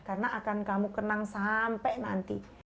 karena akan kamu kenang sampai nanti